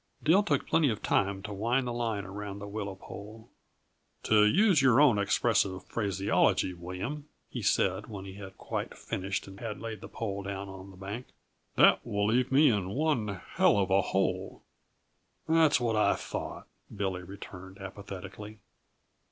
Dill took plenty of time to wind the line around his willow pole. "To use your own expressive phraseology, William," he said, when he had quite finished and had laid the pole down on the bank, "that will leave me in one hell of a hole!" "That's what I thought," Billy returned apathetically.